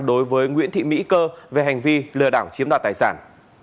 đối với nguyễn thị mỹ cơ về hành vi lừa đảo chiếm đoạt tài sản